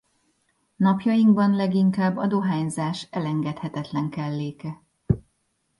Napjainkban leginkább a dohányzás elengedhetetlen kelléke.